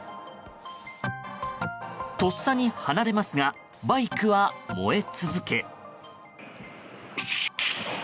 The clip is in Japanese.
とっさに離れますがバイクは燃え続け。